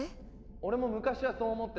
・俺も昔はそう思ってた。